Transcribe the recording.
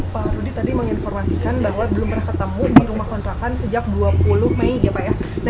pak rudi tadi menginformasikan bahwa belum pernah ketemu di rumah kontrakan sejak dua puluh mei ya pak ya